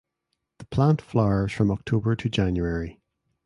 The plant flowers from October to January.